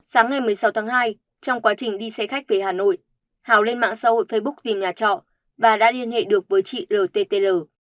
sáng ngày một mươi sáu tháng hai trong quá trình đi xe khách về hà nội hào lên mạng xã hội facebook tìm nhà trọ và đã liên hệ được với chị rtl